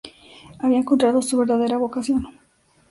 Había encontrado su verdadera vocación.